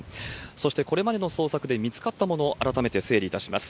そしてこれまでの捜索で見つかったもの、改めて整理いたします。